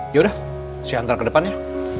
ya udah saya hantar ke depannya